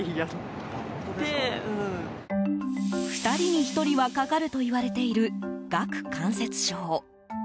２人に１人はかかるといわれている顎関節症。